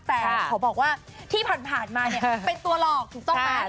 แต่ขอบอกว่าที่ผ่านมาเนี่ยเป็นตัวหลอกถูกต้องไหม